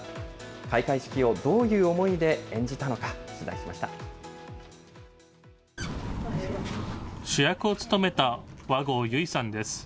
開会式をどういう思いで演じたの主役を務めた和合由依さんです。